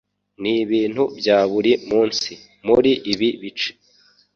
Nibintu bya buri munsi muri ibi bice.